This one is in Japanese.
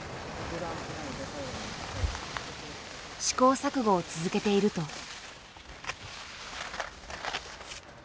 試行錯誤を続けていると。